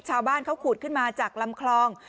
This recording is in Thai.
ชาวบ้านเขาขูดขึ้นมาจากลำคลอง